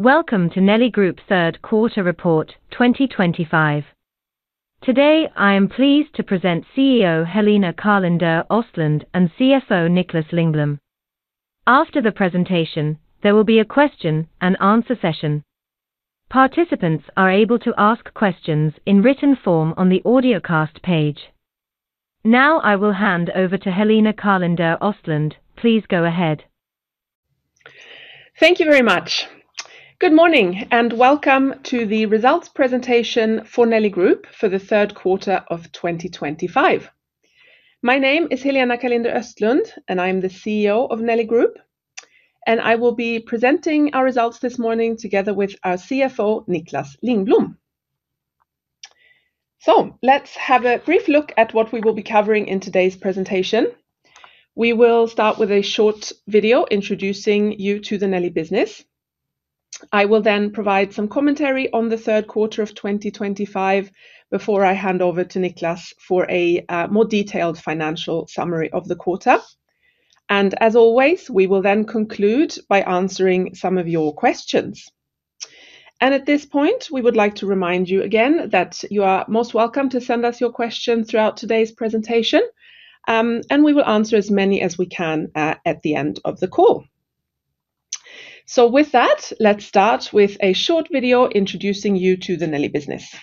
Welcome to Nelly Group third quarter report 2025. Today, I am pleased to present CEO Helena Karlinder-Östlundh and CFO Niklas Lingblom. After the presentation, there will be a question and answer session. Participants are able to ask questions in written form on the audiocast page. Now, I will hand over to Helena Karlinder-Östlundh. Please go ahead. Thank you very much. Good morning and welcome to the results presentation for Nelly Group for the third quarter of 2025. My name is Helena Karlinder-Östlundh and I am the CEO of Nelly Group, and I will be presenting our results this morning together with our CFO, Niklas Lingblom. Let's have a brief look at what we will be covering in today's presentation. We will start with a short video introducing you to the Nelly business. I will then provide some commentary on the third quarter of 2025 before I hand over to Niklas for a more detailed financial summary of the quarter. As always, we will then conclude by answering some of your questions. At this point, we would like to remind you again that you are most welcome to send us your questions throughout today's presentation, and we will answer as many as we can at the end of the call. With that, let's start with a short video introducing you to the Nelly business.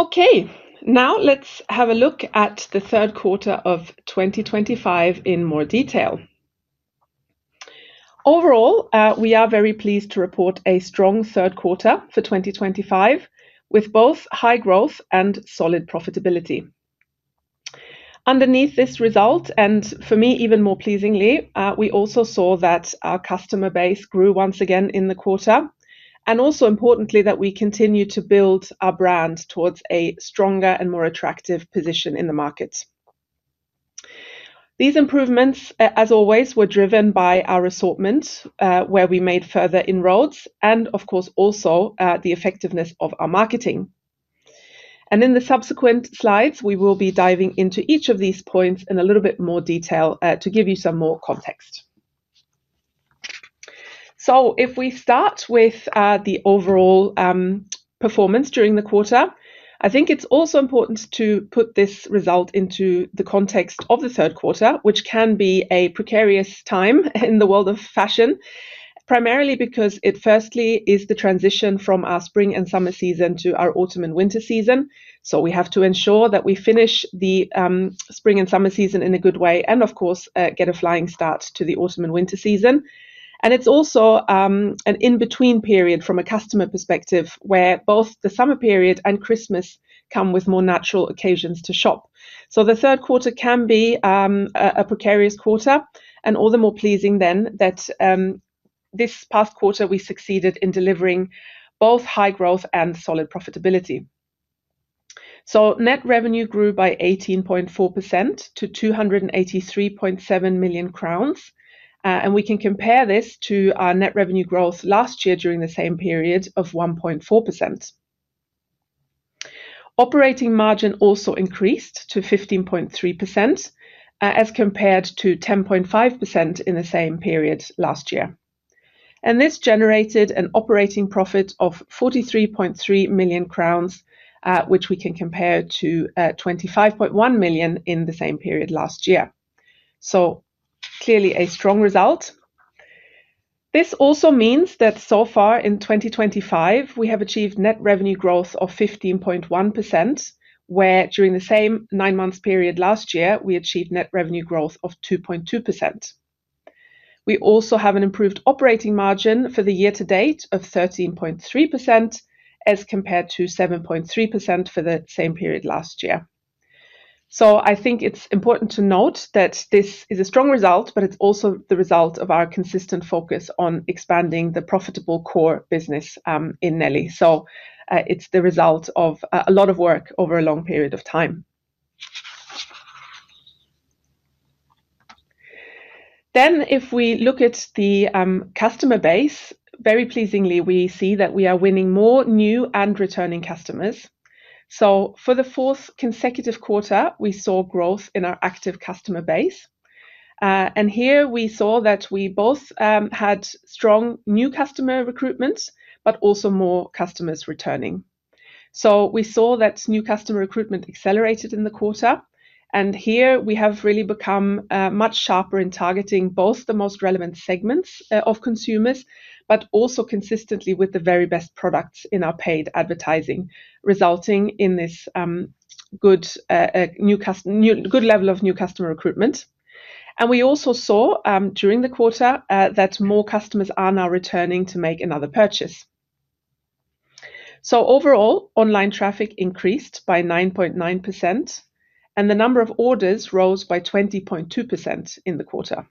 Okay, now let's have a look at the third quarter of 2025 in more detail. Overall, we are very pleased to report a strong third quarter for 2025 with both high growth and solid profitability. Underneath this result, and for me even more pleasingly, we also saw that our customer base grew once again in the quarter, and also importantly that we continue to build our brand towards a stronger and more attractive position in the market. These improvements, as always, were driven by our assortment, where we made further inroads, and of course also the effectiveness of our marketing. In the subsequent slides, we will be diving into each of these points in a little bit more detail to give you some more context. If we start with the overall performance during the quarter, I think it's also important to put this result into the context of the third quarter, which can be a precarious time in the world of fashion, primarily because it firstly is the transition from our spring and summer season to our autumn and winter season. We have to ensure that we finish the spring and summer season in a good way and of course get a flying start to the autumn and winter season. It's also an in-between period from a customer perspective where both the summer period and Christmas come with more natural occasions to shop. The third quarter can be a precarious quarter, and all the more pleasing then that this past quarter we succeeded in delivering both high growth and solid profitability. Net revenue grew by 18.4% to 283.7 million crowns, and we can compare this to our net revenue growth last year during the same period of 1.4%. Operating margin also increased to 15.3% as compared to 10.5% in the same period last year. This generated an operating profit of 43.3 million crowns, which we can compare to 25.1 million in the same period last year. Clearly a strong result. This also means that so far in 2025, we have achieved net revenue growth of 15.1%, where during the same nine-month period last year, we achieved net revenue growth of 2.2%. We also have an improved operating margin for the year to date of 13.3% as compared to 7.3% for the same period last year. I think it's important to note that this is a strong result, but it's also the result of our consistent focus on expanding the profitable core business in Nelly. It's the result of a lot of work over a long period of time. If we look at the customer base, very pleasingly we see that we are winning more new and returning customers. For the fourth consecutive quarter, we saw growth in our active customer base. Here we saw that we both had strong new customer recruitment, but also more customers returning. New customer recruitment accelerated in the quarter, and we have really become much sharper in targeting both the most relevant segments of consumers, but also consistently with the very best products in our paid advertising, resulting in this good level of new customer recruitment. We also saw during the quarter that more customers are now returning to make another purchase. Overall, online traffic increased by 9.9%, and the number of orders rose by 20.2% in the quarter.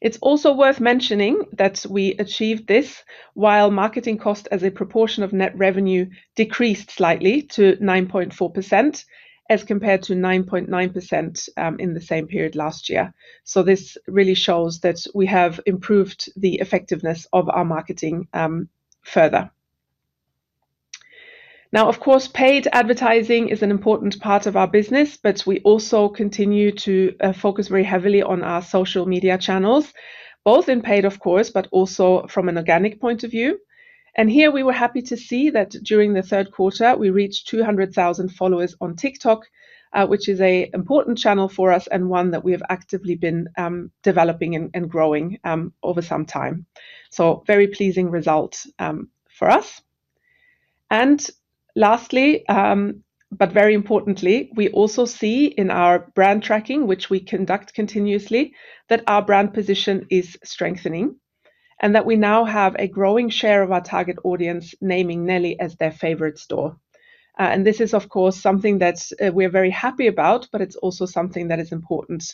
It's also worth mentioning that we achieved this while marketing cost as a proportion of net revenue decreased slightly to 9.4% as compared to 9.9% in the same period last year. This really shows that we have improved the effectiveness of our marketing further. Of course, paid advertising is an important part of our business, but we also continue to focus very heavily on our social media channels, both in paid, of course, but also from an organic point of view. We were happy to see that during the third quarter, we reached 200,000 followers on TikTok, which is an important channel for us and one that we have actively been developing and growing over some time. A very pleasing result for us. Lastly, but very importantly, we also see in our brand tracking, which we conduct continuously, that our brand position is strengthening and that we now have a growing share of our target audience naming Nelly as their favorite store. This is, of course, something that we are very happy about, but it's also something that is important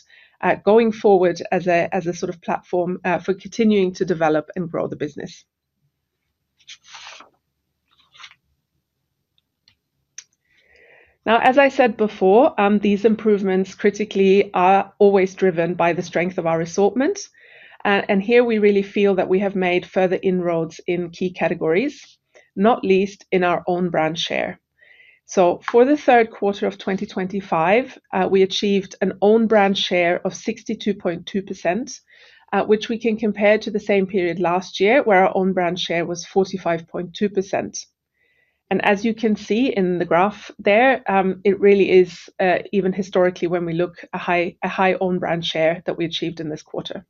going forward as a sort of platform for continuing to develop and grow the business. As I said before, these improvements critically are always driven by the strength of our assortment. Here we really feel that we have made further inroads in key categories, not least in our own brand share. For the third quarter of 2025, we achieved an own brand share of 62.2%, which we can compare to the same period last year where our own brand share was 45.2%. As you can see in the graph there, it really is even historically when we look at a high own brand share that we achieved in this quarter.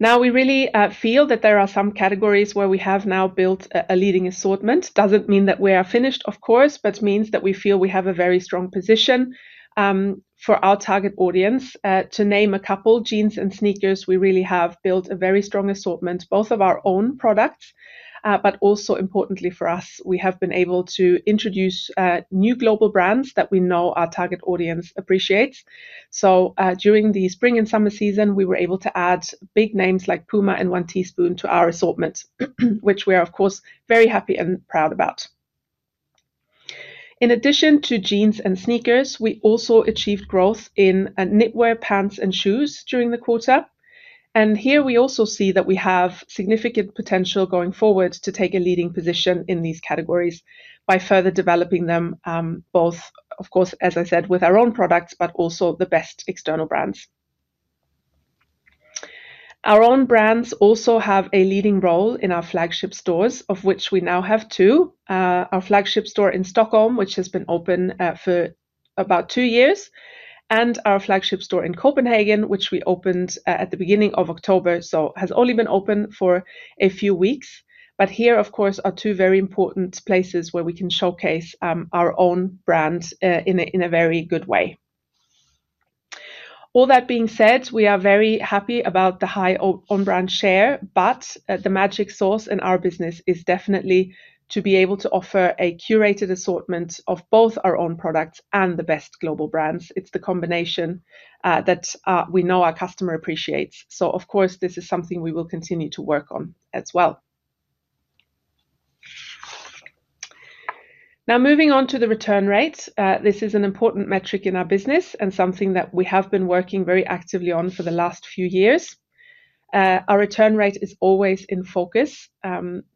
We really feel that there are some categories where we have now built a leading assortment. It doesn't mean that we are finished, of course, but it means that we feel we have a very strong position for our target audience. To name a couple, jeans and sneakers, we really have built a very strong assortment, both of our own products, but also importantly for us, we have been able to introduce new global brands that we know our target audience appreciates. During the spring and summer season, we were able to add big names like PUMA and One Teaspoon to our assortment, which we are, of course, very happy and proud about. In addition to jeans and sneakers, we also achieved growth in knitwear, pants, and shoes during the quarter. Here we also see that we have significant potential going forward to take a leading position in these categories by further developing them, both, of course, as I said, with our own products, but also the best external brands. Our own brands also have a leading role in our flagship stores, of which we now have two. Our flagship store in Stockholm, which has been open for about two years, and our flagship store in Copenhagen, which we opened at the beginning of October, so has only been open for a few weeks. Here, of course, are two very important places where we can showcase our own brand in a very good way. All that being said, we are very happy about the high own brand share, but the magic sauce in our business is definitely to be able to offer a curated assortment of both our own products and the best global brands. It's the combination that we know our customer appreciates. This is something we will continue to work on as well. Now, moving on to the return rate, this is an important metric in our business and something that we have been working very actively on for the last few years. Our return rate is always in focus.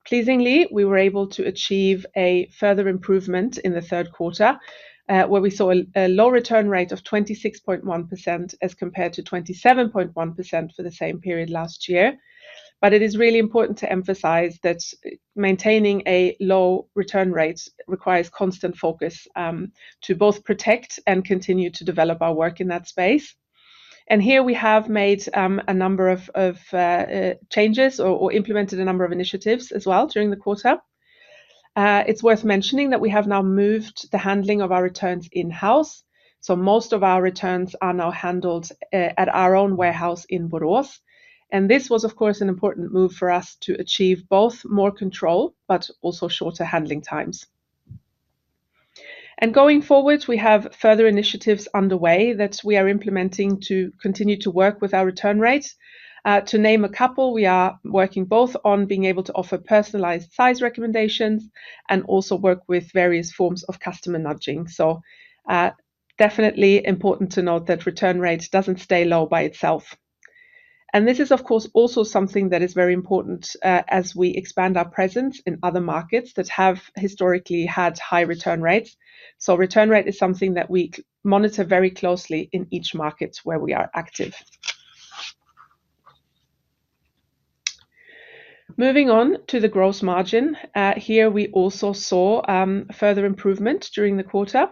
Pleasingly, we were able to achieve a further improvement in the third quarter where we saw a low return rate of 26.1% as compared to 27.1% for the same period last year. It is really important to emphasize that maintaining a low return rate requires constant focus to both protect and continue to develop our work in that space. Here we have made a number of changes or implemented a number of initiatives as well during the quarter. It's worth mentioning that we have now moved the handling of our returns in-house. Most of our returns are now handled at our own warehouse in Borås. This was, of course, an important move for us to achieve both more control, but also shorter handling times. Going forward, we have further initiatives underway that we are implementing to continue to work with our return rate. To name a couple, we are working both on being able to offer personalized size recommendations and also work with various forms of customer nudging. It is definitely important to note that return rate doesn't stay low by itself. This is also something that is very important as we expand our presence in other markets that have historically had high return rates. Return rate is something that we monitor very closely in each market where we are active. Moving on to the gross margin, here we also saw further improvement during the quarter.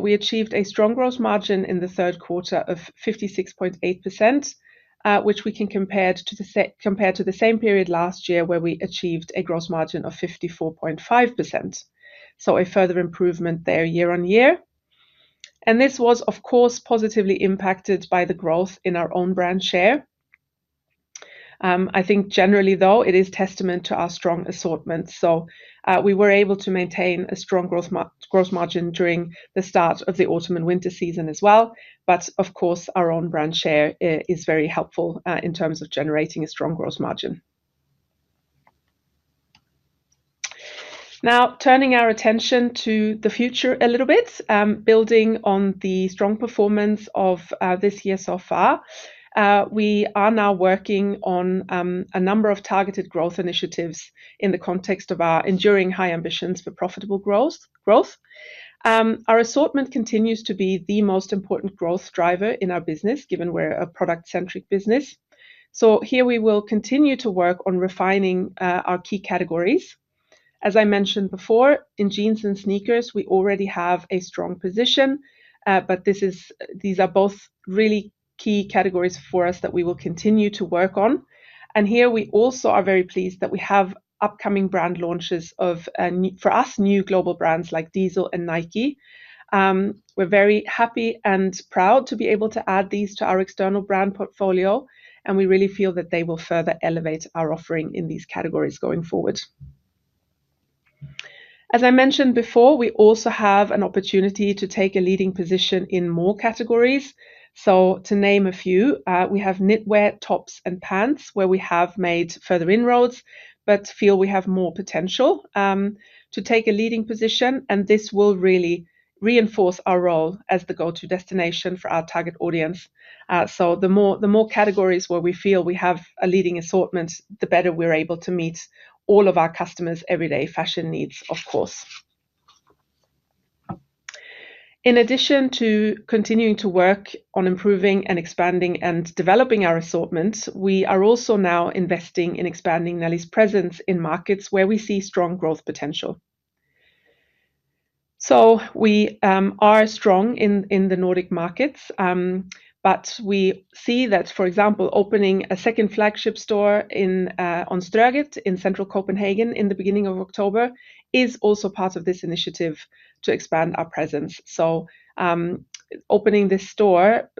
We achieved a strong gross margin in the third quarter of 56.8%, which we can compare to the same period last year where we achieved a gross margin of 54.5%. A further improvement there year on year. This was, of course, positively impacted by the growth in our own brand share. I think generally, though, it is testament to our strong assortment. We were able to maintain a strong gross margin during the start of the autumn and winter season as well. Our own brand share is very helpful in terms of generating a strong gross margin. Now, turning our attention to the future a little bit, building on the strong performance of this year so far, we are now working on a number of targeted growth initiatives in the context of our enduring high ambitions for profitable growth. Our assortment continues to be the most important growth driver in our business, given we're a product-centric business. Here we will continue to work on refining our key categories. As I mentioned before, in jeans and sneakers, we already have a strong position, but these are both really key categories for us that we will continue to work on. We also are very pleased that we have upcoming brand launches of, for us, new global brands like Diesel and Nike. We're very happy and proud to be able to add these to our external brand portfolio, and we really feel that they will further elevate our offering in these categories going forward. As I mentioned before, we also have an opportunity to take a leading position in more categories. To name a few, we have knitwear, tops, and pants where we have made further inroads, but feel we have more potential to take a leading position, and this will really reinforce our role as the go-to destination for our target audience. The more categories where we feel we have a leading assortment, the better we're able to meet all of our customers' everyday fashion needs, of course. In addition to continuing to work on improving and expanding and developing our assortment, we are also now investing in expanding Nelly's presence in markets where we see strong growth potential. We are strong in the Nordic markets, but we see that, for example, opening a second flagship store on Strøget in central Copenhagen in the beginning of October is also part of this initiative to expand our presence. Opening this store,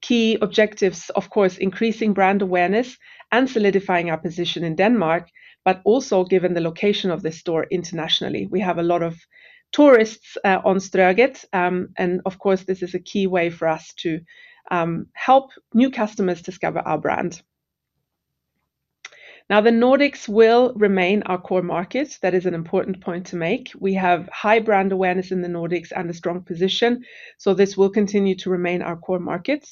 key objectives, of course, increasing brand awareness and solidifying our position in Denmark, but also given the location of this store internationally. We have a lot of tourists on Strøget, and this is a key way for us to help new customers discover our brand. The Nordics will remain our core market. That is an important point to make. We have high brand awareness in the Nordics and a strong position, so this will continue to remain our core market.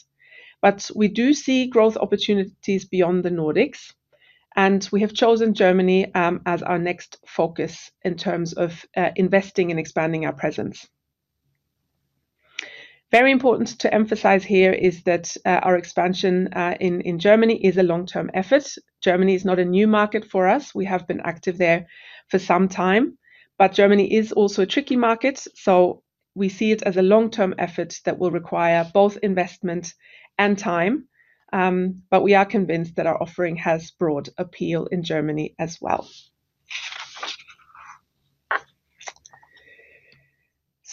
We do see growth opportunities beyond the Nordics, and we have chosen Germany as our next focus in terms of investing and expanding our presence. Very important to emphasize here is that our expansion in Germany is a long-term effort. Germany is not a new market for us. We have been active there for some time, but Germany is also a tricky market, so we see it as a long-term effort that will require both investment and time. We are convinced that our offering has broad appeal in Germany as well.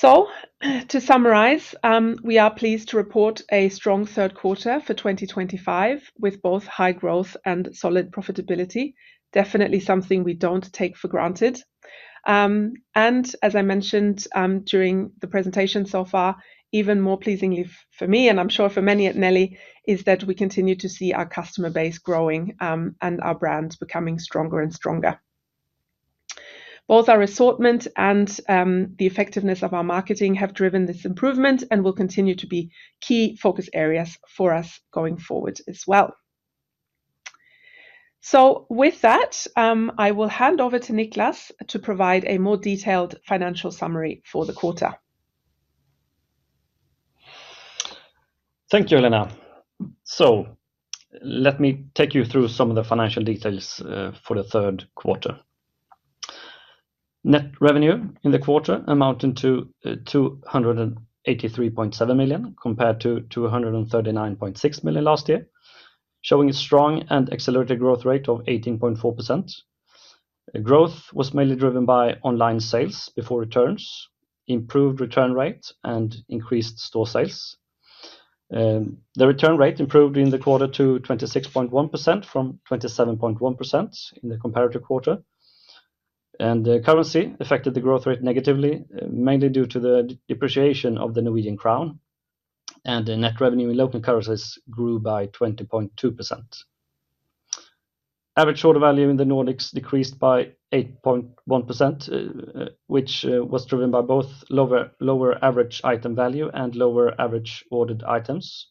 To summarize, we are pleased to report a strong third quarter for 2025 with both high growth and solid profitability, definitely something we don't take for granted. As I mentioned during the presentation so far, even more pleasingly for me, and I'm sure for many at Nelly, is that we continue to see our customer base growing and our brand becoming stronger and stronger. Both our assortment and the effectiveness of our marketing have driven this improvement and will continue to be key focus areas for us going forward as well. With that, I will hand over to Niklas to provide a more detailed financial summary for the quarter. Thank you, Helena. Let me take you through some of the financial details for the third quarter. Net revenue in the quarter amounted to 283.7 million compared to 239.6 million last year, showing a strong and accelerated growth rate of 18.4%. Growth was mainly driven by online sales before returns, improved return rate, and increased store sales. The return rate improved in the quarter to 26.1% from 27.1% in the comparative quarter. The currency affected the growth rate negatively, mainly due to the depreciation of the Norwegian crown. Net revenue in local currencies grew by 20.2%. Average order value in the Nordics decreased by 8.1%, which was driven by both lower average item value and lower average ordered items.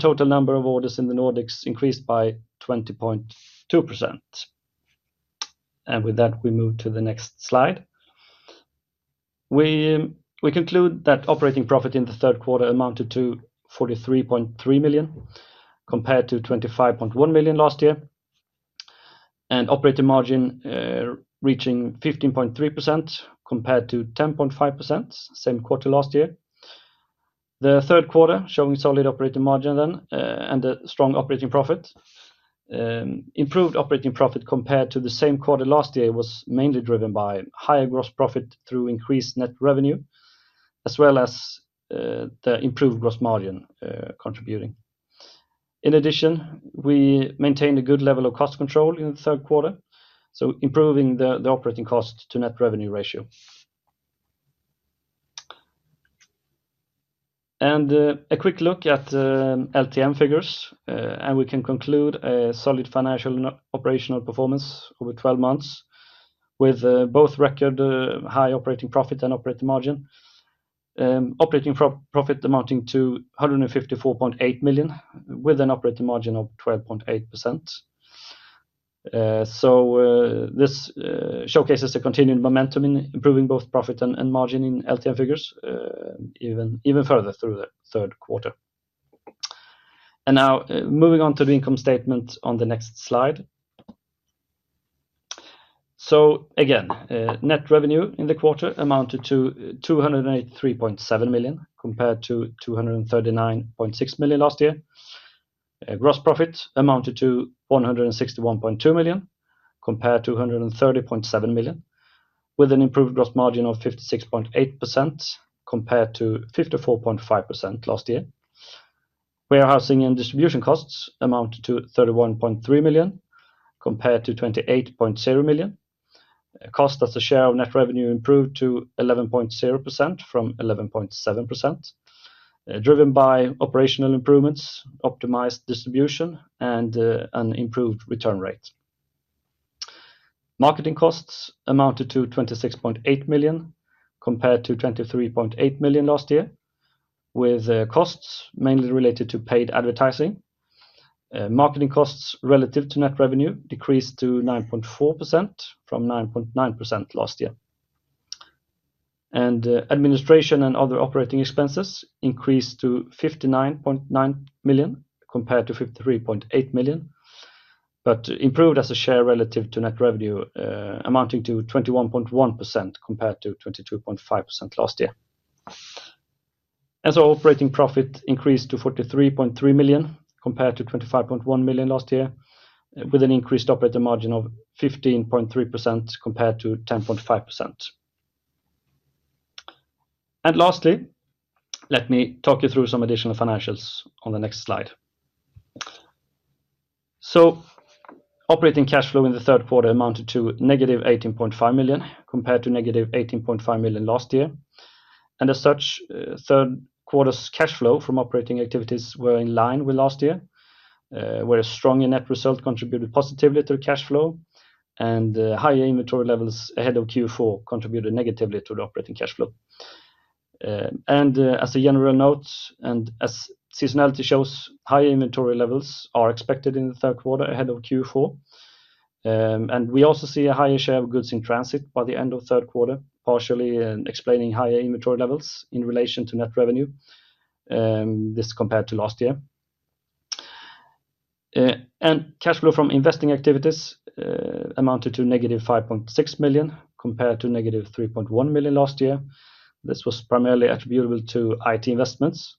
Total number of orders in the Nordics increased by 20.2%. With that, we move to the next slide. We conclude that operating profit in the third quarter amounted to 43.3 million compared to 25.1 million last year, with operating margin reaching 15.3% compared to 10.5% in the same quarter last year. The third quarter showed solid operating margin and a strong operating profit. Improved operating profit compared to the same quarter last year was mainly driven by higher gross profit through increased net revenue, as well as the improved gross margin contributing. In addition, we maintained a good level of cost control in the third quarter, improving the operating cost to net revenue ratio. A quick look at LTM figures shows a solid financial and operational performance over 12 months with both record high operating profit and operating margin. Operating profit amounted to 154.8 million with an operating margin of 12.8%. This showcases the continued momentum in improving both profit and margin in LTM figures, even further through the third quarter. Now, moving on to the income statement on the next slide. Net revenue in the quarter amounted to 283.7 million compared to 239.6 million last year. Gross profit amounted to 161.2 million compared to 130.7 million, with an improved gross margin of 56.8% compared to 54.5% last year. Warehousing and distribution costs amounted to 31.3 million compared to 28.0 million. Cost as a share of net revenue improved to 11.0% from 11.7%, driven by operational improvements, optimized distribution, and an improved return rate. Marketing costs amounted to 26.8 million compared to 23.8 million last year, with costs mainly related to paid advertising. Marketing costs relative to net revenue decreased to 9.4% from 9.9% last year. Administration and other operating expenses increased to 59.9 million compared to 53.8 million, but improved as a share relative to net revenue amounting to 21.1% compared to 22.5% last year. Operating profit increased to 43.3 million compared to 25.1 million last year, with an increased operating margin of 15.3% compared to 10.5%. Lastly, let me talk you through some additional financials on the next slide. Operating cash flow in the third quarter amounted to -18.5 million compared to -18.5 million last year. The third quarter's cash flow from operating activities was in line with last year, where a stronger net result contributed positively to the cash flow, and higher inventory levels ahead of Q4 contributed negatively to the operating cash flow. As a general note, as seasonality shows, higher inventory levels are expected in the third quarter ahead of Q4. We also see a higher share of goods in transit by the end of third quarter, partially explaining higher inventory levels in relation to net revenue, this compared to last year. Cash flow from investing activities amounted to -5.6 million compared to -3.1 million last year. This was primarily attributable to IT investments.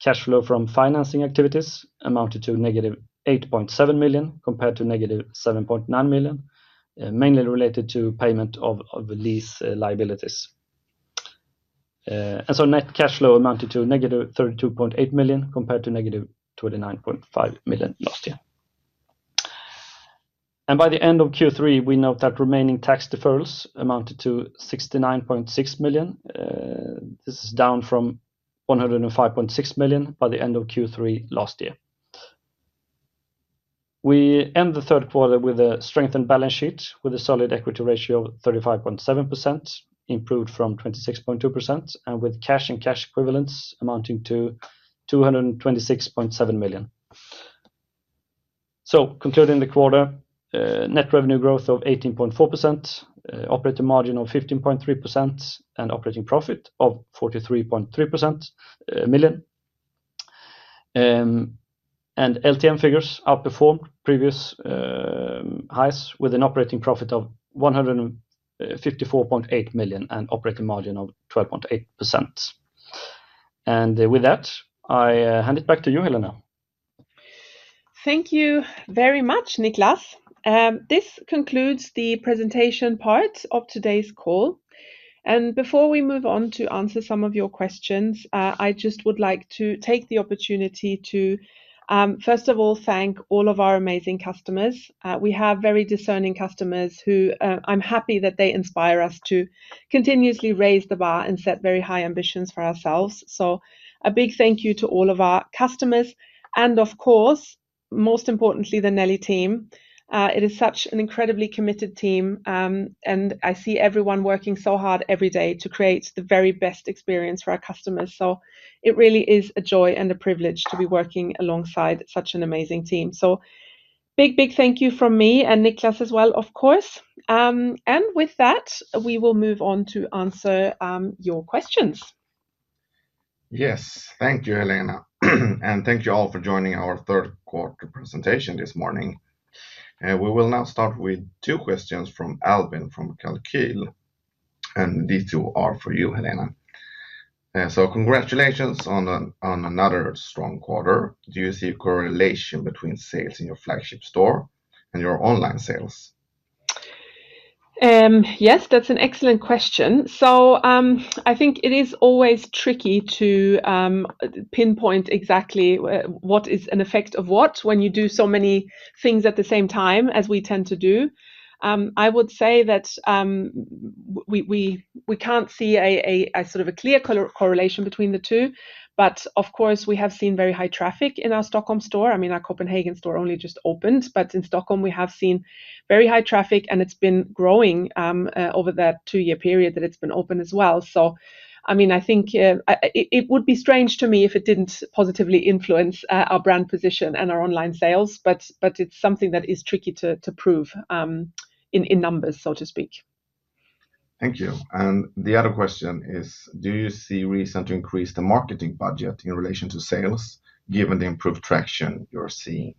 Cash flow from financing activities amounted to -8.7 million compared to -7.9 million, mainly related to payment of lease liabilities. Net cash flow amounted to -32.8 million compared to -29.5 million last year. By the end of Q3, we note that remaining tax deferrals amounted to 69.6 million. This is down from 105.6 million by the end of Q3 last year. We end the third quarter with a strengthened balance sheet with a solid equity ratio of 35.7%, improved from 26.2%, and with cash and cash equivalents amounting to 226.7 million. Concluding the quarter, net revenue growth of 18.4%, operating margin of 15.3%, and operating profit of 43.3 million. LTM figures outperformed previous highs with an operating profit of 154.8 million and operating margin of 12.8%. With that, I hand it back to you, Helena. Thank you very much, Niklas. This concludes the presentation part of today's call. Before we move on to answer some of your questions, I just would like to take the opportunity to, first of all, thank all of our amazing customers. We have very discerning customers who I'm happy that they inspire us to continuously raise the bar and set very high ambitions for ourselves. A big thank you to all of our customers, and of course, most importantly, the Nelly team. It is such an incredibly committed team, and I see everyone working so hard every day to create the very best experience for our customers. It really is a joy and a privilege to be working alongside such an amazing team. Big, big thank you from me and Niklas as well, of course. With that, we will move on to answer your questions. Yes, thank you, Helena. Thank you all for joining our third quarter presentation this morning. We will now start with two questions from Albin from Kalqyl, and these two are for you, Helena. Congratulations on another strong quarter. Do you see a correlation between sales in your flagship store and your online sales? Yes, that's an excellent question. I think it is always tricky to pinpoint exactly what is an effect of what when you do so many things at the same time as we tend to do. I would say that we can't see a sort of a clear correlation between the two, but of course, we have seen very high traffic in our Stockholm store. I mean, our Copenhagen store only just opened, but in Stockholm, we have seen very high traffic, and it's been growing over that two-year period that it's been open as well. I think it would be strange to me if it didn't positively influence our brand position and our online sales, but it's something that is tricky to prove in numbers, so to speak. Thank you. Do you see a reason to increase the marketing budget in relation to sales, given the improved traction you're seeing?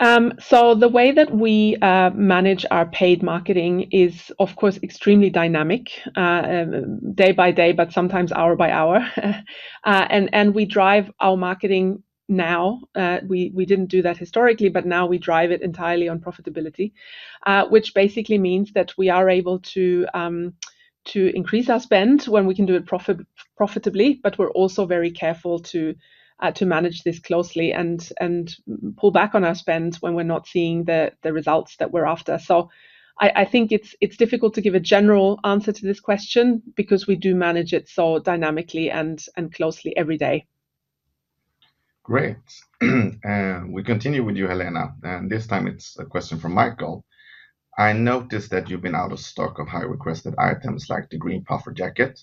The way that we manage our paid marketing is, of course, extremely dynamic day by day, sometimes hour by hour. We drive our marketing now. We didn't do that historically, but now we drive it entirely on profitability, which basically means that we are able to increase our spend when we can do it profitably. We're also very careful to manage this closely and pull back on our spend when we're not seeing the results that we're after. I think it's difficult to give a general answer to this question because we do manage it so dynamically and closely every day. Great. We continue with you, Helena. This time, it's a question from Michael. I noticed that you've been out of stock of high-requested items like the green puffer jacket.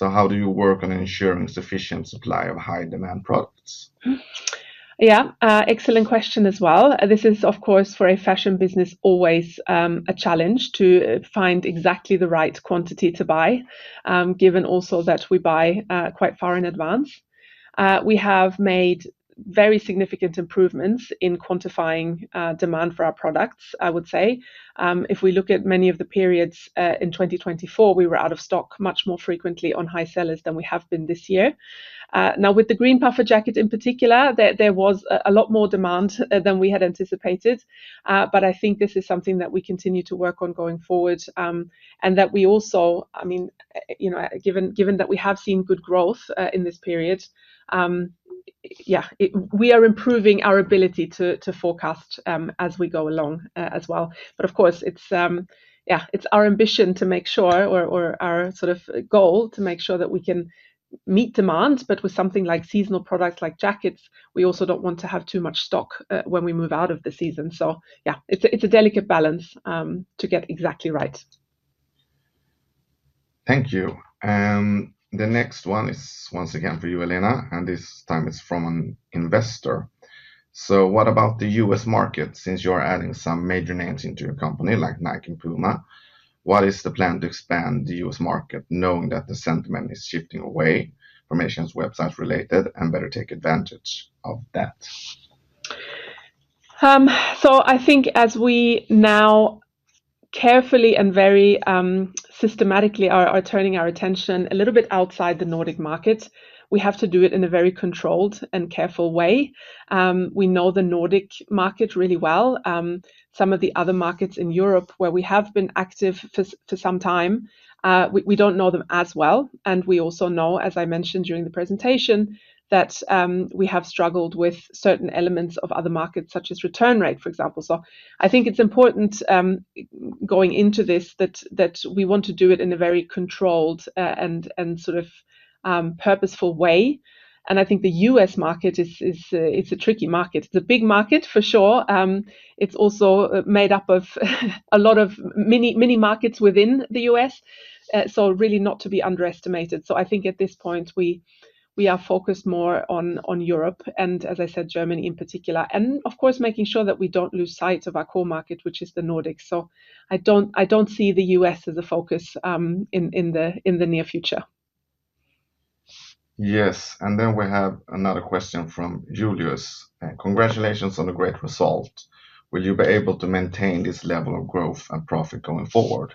How do you work on ensuring sufficient supply of high-demand products? Yeah, excellent question as well. This is, of course, for a fashion business, always a challenge to find exactly the right quantity to buy, given also that we buy quite far in advance. We have made very significant improvements in quantifying demand for our products, I would say. If we look at many of the periods in 2024, we were out of stock much more frequently on high sellers than we have been this year. Now, with the green puffer jacket in particular, there was a lot more demand than we had anticipated. I think this is something that we continue to work on going forward and that we also, I mean, you know, given that we have seen good growth in this period, we are improving our ability to forecast as we go along as well. Of course, it's our ambition to make sure, or our sort of goal to make sure that we can meet demand, but with something like seasonal products like jackets, we also don't want to have too much stock when we move out of the season. It's a delicate balance to get exactly right. Thank you. The next one is once again for you, Helena, and this time it's from an investor. What about the U.S. market since you're adding some major names into your company like Nike and PUMA? What is the plan to expand the U.S. market knowing that the sentiment is shifting away from Asian websites related and better take advantage of that? I think as we now carefully and very systematically are turning our attention a little bit outside the Nordic market, we have to do it in a very controlled and careful way. We know the Nordic market really well. Some of the other markets in Europe where we have been active for some time, we don't know them as well. We also know, as I mentioned during the presentation, that we have struggled with certain elements of other markets such as return rate, for example. I think it's important going into this that we want to do it in a very controlled and sort of purposeful way. I think the U.S. market is a tricky market. It's a big market for sure. It's also made up of a lot of mini markets within the U.S., really not to be underestimated. At this point we are focused more on Europe and, as I said, Germany in particular. Of course, making sure that we don't lose sight of our core market, which is the Nordics. I don't see the U.S. as a focus in the near future. Yes, we have another question from Julius. Congratulations on the great result. Will you be able to maintain this level of growth and profit going forward?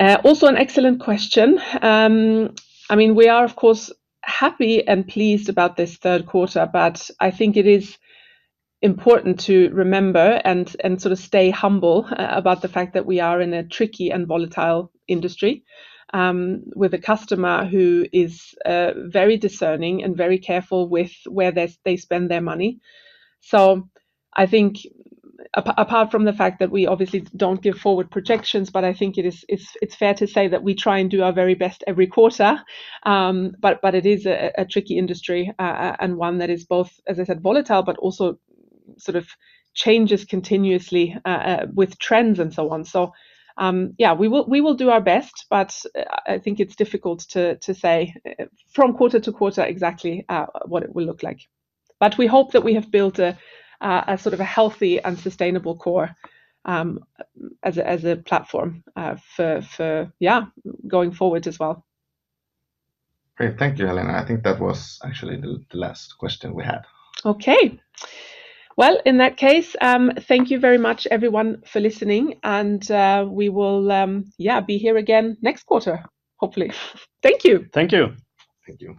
Also an excellent question. I mean, we are, of course, happy and pleased about this third quarter, but I think it is important to remember and sort of stay humble about the fact that we are in a tricky and volatile industry with a customer who is very discerning and very careful with where they spend their money. I think apart from the fact that we obviously don't give forward projections, I think it's fair to say that we try and do our very best every quarter. It is a tricky industry and one that is both, as I said, volatile, but also sort of changes continuously with trends and so on. We will do our best, but I think it's difficult to say from quarter to quarter exactly what it will look like. We hope that we have built a sort of a healthy and sustainable core as a platform for, yeah, going forward as well. Great, thank you, Helena. I think that was actually the last question we had. Thank you very much, everyone, for listening. We will be here again next quarter, hopefully. Thank you. Thank you. Thank you.